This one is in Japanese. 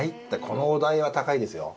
このお代は高いですよ。